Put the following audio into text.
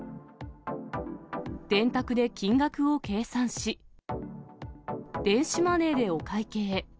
電卓で金額を計算し、電子マネーでお会計。